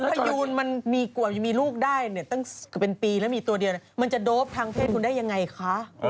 พยูนมันมีกว่ามันจะมีลูกได้เนี่ยตั้งเป็นปีแล้วมีตัวเดียวมันจะโดปทางเพศคุณได้ยังไงคะ